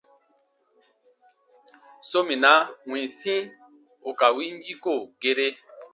Sominaa winsi ù ka win yiko gere.